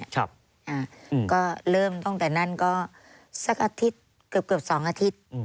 ก็เริ่มตั้งแต่นั้นก็สักอาทิตย์เกือบ๒อาทิตย์